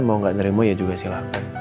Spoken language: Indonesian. mau gak nerimo ya juga silahkan